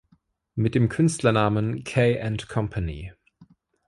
Mit dem Künstlernamen „Kay and Company“.